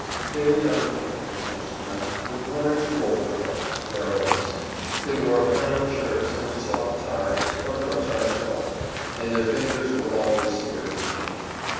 They were young people, most of them, with one or two old fellows, derelicts; they wore flannel shirts, and soft ties, or no ties at all, and their fingers were always smeared with paint.